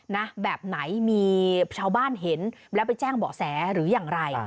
นะแบบไหนมีชาวบ้านเห็นแล้วไปแจ้งเบาะแสหรืออย่างไร